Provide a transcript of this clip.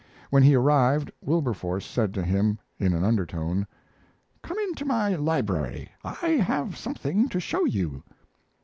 When he arrived Wilberforce said to him, in an undertone: "Come into my library. I have something to show you."